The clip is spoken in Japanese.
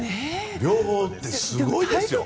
両方ってすごいですよ。